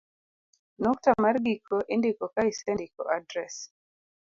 nukta mar giko indiko ka isendiko adres